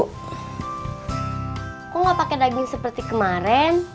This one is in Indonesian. kenapa enggak pakai daging seperti kemarin